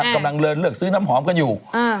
กำลังเลือกซื้อน้ำหอมกันอยู่